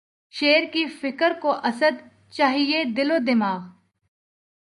شعر کی فکر کو اسدؔ! چاہیے ہے دل و دماغ